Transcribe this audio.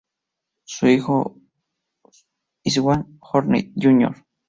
Su único hijo, István Horthy, Jr.